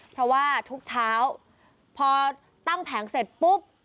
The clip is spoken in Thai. เพราะว่าทุกเช้าพอตั้งแผงเสร็จปุ๊บ